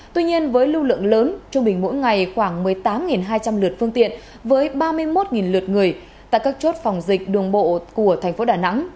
tuy nhiên với lưu lượng lớn trung bình mỗi ngày khoảng một mươi tám hai trăm linh lượt phương tiện với ba mươi một lượt người tại các chốt phòng dịch đường bộ của thành phố đà nẵng